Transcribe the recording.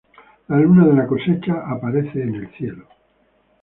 La luna de la cosecha aparece en el cielo.